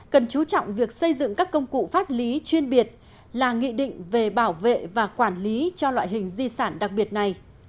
cần chú trọng việc xây dựng các công cụ pháp lý chuyên biệt là nghị định về bảo vệ và quản lý cho loại hình di sản đặc biệt này